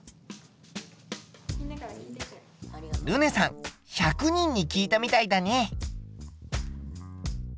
るねさん１００人に聞いたみたいだね。